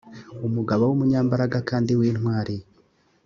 umugabo w umunyambaraga kandi w intwari